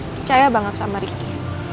percaya banget sama riki